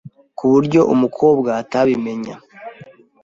ku buryo umukobwa atabimenya,